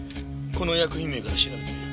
この薬品名から調べてみる。